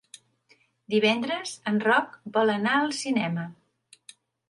Divendres en Roc vol anar al cinema.